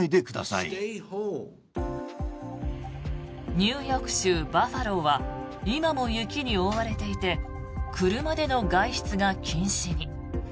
ニューヨーク州バファローは今も雪に覆われていて車での外出が禁止に。